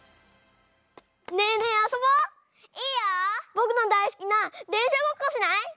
ぼくのだいすきなでんしゃごっこしない？